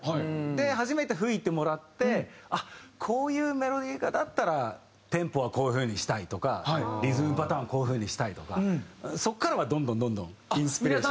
で初めて吹いてもらってあっこういうメロディーかだったらテンポはこういう風にしたいとかリズムパターンはこういう風にしたいとかそこからはどんどんどんどんインスピレーションが。